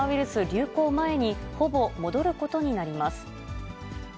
流行前にほぼ戻ることになります。